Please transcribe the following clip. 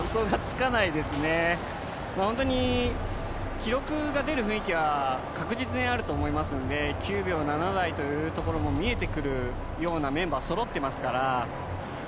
記録が出る雰囲気は確実にあると思いますので、９秒７台というところも見えてくるようなメンバーがそろってます